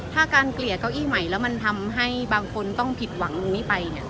ถ้าการเกลี่ยเก้าอี้ใหม่แล้วมันทำให้บางคนต้องผิดหวังตรงนี้ไปเนี่ย